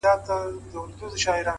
• ځي تر اباسینه د کونړ د یکه زار څپې,